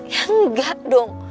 ya enggak dong